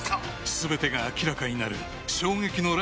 全てが明らかになる衝撃のラスト１５分